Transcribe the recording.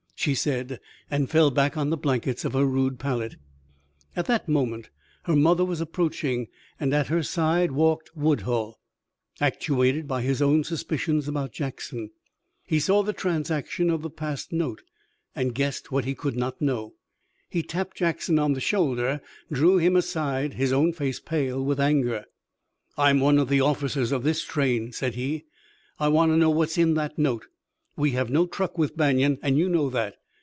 she said, and fell back on the blankets of her rude pallet. At that moment her mother was approaching, and at her side walked Woodhull, actuated by his own suspicions about Jackson. He saw the transaction of the passed note and guessed what he could not know. He tapped Jackson on the shoulder, drew him aside, his own face pale with anger. "I'm one of the officers of this train," said he. "I want to know what's in that note. We have no truck with Banion, and you know that.